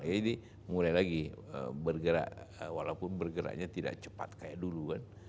ini mulai lagi bergerak walaupun bergeraknya tidak cepat kayak dulu kan